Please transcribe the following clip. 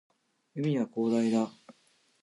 海は広大だ